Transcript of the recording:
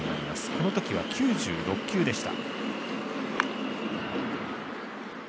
このときは９６球でした。